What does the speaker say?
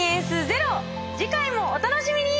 次回もお楽しみに！